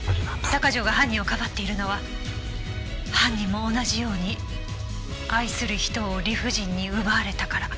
鷹城が犯人をかばっているのは犯人も同じように愛する人を理不尽に奪われたから。